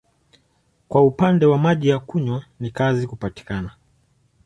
Kwa upande wa maji ya kunywa ni kazi kupatikana.